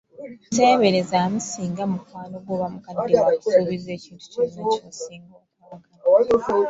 Teeberezaamu singa mukwano gwo oba mukadde wo akusuubizza ekintu kyonna ky'osinga okwagala.